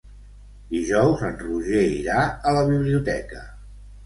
Dijous en Roger irà a la biblioteca.